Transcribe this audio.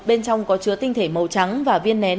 bên trong có chứa tinh thể màu trắng và viên nén